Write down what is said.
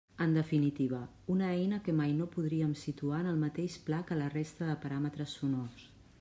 En definitiva: una eina que mai no podríem situar en el mateix pla que la resta de paràmetres sonors.